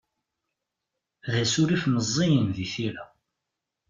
D asurif meẓẓiyen di tira.